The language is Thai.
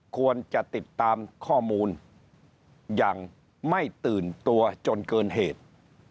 ควรจะติดตามข้อมูลอย่างไม่ตื่นตัวจนเกินเหตุ